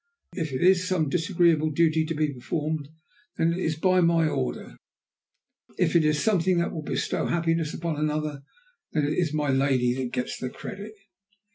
If it is some disagreeable duty to be performed, then it is by my order; if it is something that will bestow happiness upon another, then it is my lady that gets the credit."